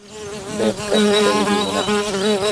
Bedcadteuidi bunec